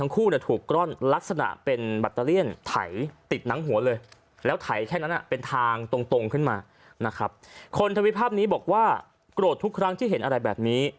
ทวิตภาพนี้บอกว่าโกรธทุกครั้งที่เห็นอะไรแบบนี้